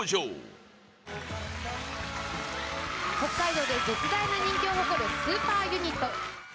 武内：北海道で絶大な人気を誇るスーパーユニット。